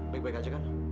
baik baik aja kan